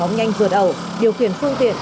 móng nhanh vượt ẩu điều khiển phương tiện